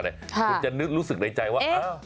คุณจะนึกรู้สึกในใจว่า